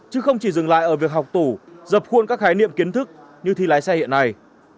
chứ không chỉ dừng lại ở việc học tủ dập khuôn các khái niệm kiến thức như thi lái xe hiện nay